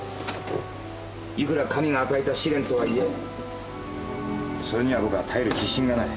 いくら神が与えた試練とはいえそれには僕は耐える自信がない。